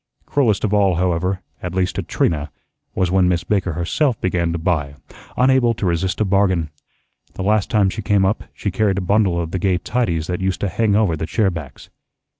Cruelest of all, however, at least to Trina, was when Miss Baker herself began to buy, unable to resist a bargain. The last time she came up she carried a bundle of the gay tidies that used to hang over the chair backs.